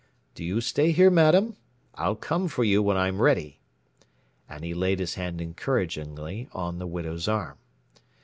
Do you stay here, madam. I'll come for you when I am ready " and he laid his hand encouragingly on the widow's arm.